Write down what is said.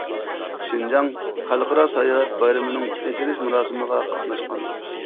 شىنجاڭ خەلقئارا ساياھەت بايرىمىنىڭ ئېچىلىش مۇراسىمىغا قاتناشقان.